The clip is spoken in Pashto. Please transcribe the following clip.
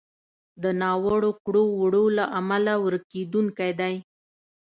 د ناوړو کړو وړو له امله ورکېدونکی دی.